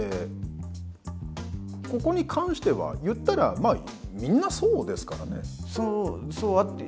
ここに関しては言ったらまあみんなそうですからね。